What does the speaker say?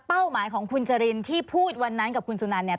หมายของคุณจรินที่พูดวันนั้นกับคุณสุนันเนี่ย